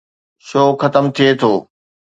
Show ختم ٿئي ٿو.